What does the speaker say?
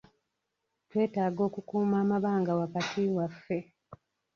Twetaaga okukuuma amabanga wakati waffe.